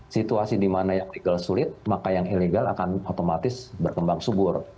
situasi di mana yang legal sulit maka yang ilegal akan otomatis berkembang subur